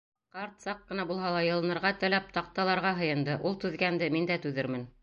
Ҡарт, саҡ ҡына булһа ла йылынырға теләп, таҡталарға һыйынды: «Ул түҙгәнде, мин дә түҙермен».